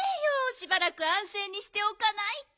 しばらくあんせいにしておかないと。